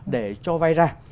để cho vai ra